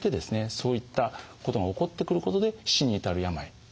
そういったことが起こってくることで死に至る病にもなる。